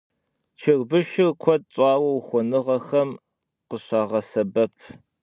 Çırbışşır kued ş'aue vuxuenığexem khışağesebep.